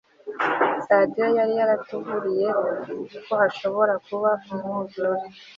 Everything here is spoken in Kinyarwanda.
radiyo yari yatuburiye ko hashobora kubaho umwuzure